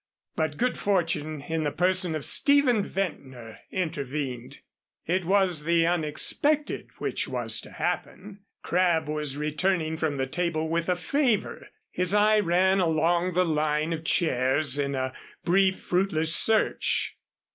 But good fortune in the person of Stephen Ventnor intervened. It was the unexpected which was to happen. Crabb was returning from the table with a favor. His eye ran along the line of chairs in a brief fruitless search.